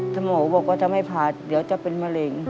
สมองบอกว่าจะไม่ผ่าเดี๋ยวจะเป็นมะเร็ง